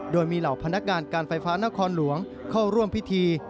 โดยมีเหล่าพนักงานการไฟฟ้านครหลวงเข้าร่วมพิธี